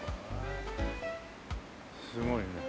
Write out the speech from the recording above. すごいね。